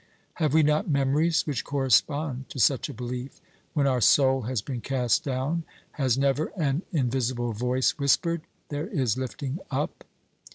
Have we not memories which correspond to such a belief? When our soul has been cast down, has never an invisible voice whispered, "There is lifting up"?